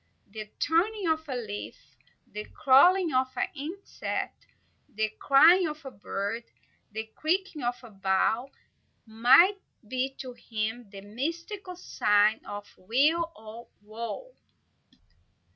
The turning of a leaf, the crawling of an insect, the cry of a bird, the creaking of a bough, might be to him the mystic signal of weal or woe.